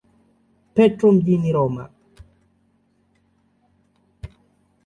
Petro mjini Roma.